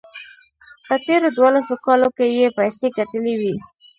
په تېرو دولسو کالو کې یې پیسې ګټلې وې.